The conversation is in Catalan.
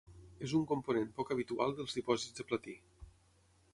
És un component poc habitual dels dipòsits de platí.